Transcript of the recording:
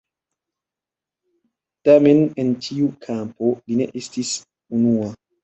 Tamen en tiu kampo li ne estis unua.